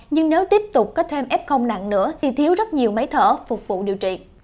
nhưng nếu tiếp tục có thêm f nặng nữa thì thiếu rất nhiều máy thở phục vụ điều trị